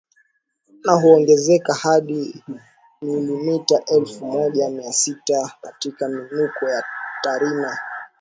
na huongezeka hadi milimeta elfu moja mia sita katika miinuko ya Tarime